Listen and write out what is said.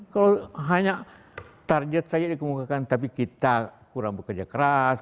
kalau hanya target saja dikemukakan tapi kita kurang bekerja keras